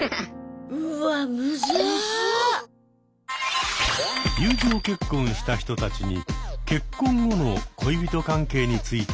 うわ友情結婚した人たちに結婚後の恋人関係について聞いてみた。